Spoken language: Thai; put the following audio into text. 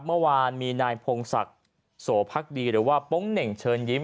เมื่อวานมีนายพงศักดิ์โสพักดีหรือว่าโป๊งเหน่งเชิญยิ้ม